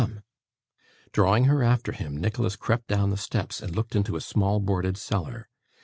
Come!' Drawing her after him, Nicholas crept down the steps and looked into a small boarded cellar.